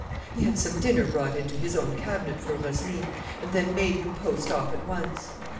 He had some dinner brought into his own cabinet for Rosny, and then made him post off at once.